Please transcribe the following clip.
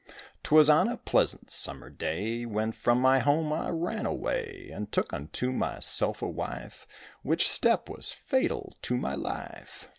'Twas on a pleasant summer day When from my home I ran away And took unto myself a wife, Which step was fatal to my life.